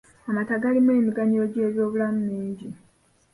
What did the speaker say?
Amata galimu emiganyulo gy'ebyobulamu mingi.